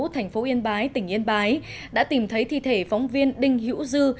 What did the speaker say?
thành phố yên bái tỉnh yên bái đã tìm thấy thi thể phóng viên đinh hữu dư